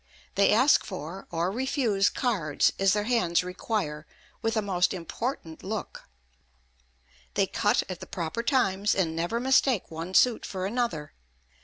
They ask for, or refuse cards, as their hands require, with a most important look; they cut at the proper times, and never mistake one suit for another.